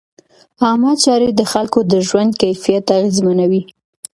عامه چارې د خلکو د ژوند کیفیت اغېزمنوي.